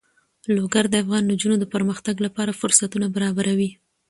لوگر د افغان نجونو د پرمختګ لپاره فرصتونه برابروي.